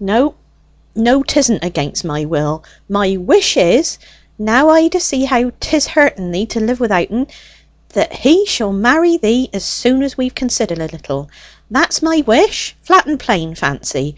"No, no, 'tisn't against my will. My wish is, now I d'see how 'tis hurten thee to live without en, that he shall marry thee as soon as we've considered a little. That's my wish flat and plain, Fancy.